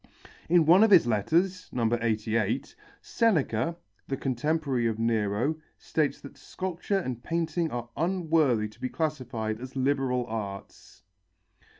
In one of his letters (No. 88) Seneca, the contemporary of Nero, states that sculpture and painting are unworthy to be classified as liberal arts.